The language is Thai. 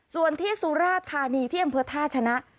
ส่วนที่สุราชธานีเที่ยงเพื่อทาชนะ